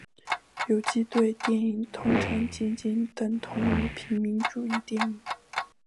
游击队电影通常仅仅等同于平民主义电影。